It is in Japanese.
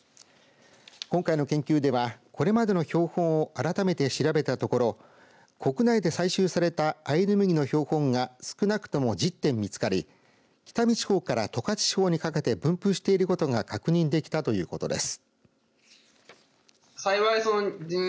今回の研究ではこれまでの標本を改めて調べたところ、国内で採集されたアイヌムギの標本が少なくとも１０点見つかり北見地方から十勝地方にかけて分布していることが確認できたということです。